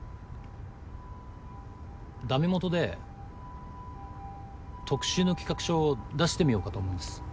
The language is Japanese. だめもとで特集の企画書出してみようかと思うんです。